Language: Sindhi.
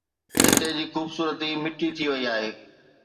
هتي جي خوبصورتي مٽي ٿي وئي آهي